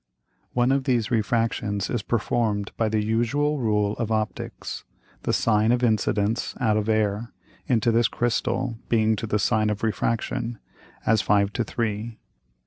One of these Refractions is perform'd by the usual Rule of Opticks, the Sine of Incidence out of Air into this Crystal being to the Sine of Refraction, as five to three.